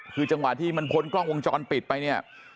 คือจังหวะที่มันพ้นกล้องวงจรปิดไปเนี่ย